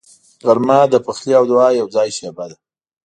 غرمه د پخلي او دعا یوځای شیبه ده